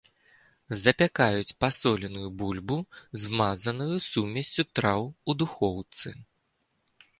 Запякаюць пасоленую бульбу, змазаную сумессю траў, у духоўцы.